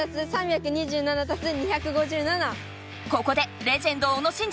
ここでレジェンド小野伸二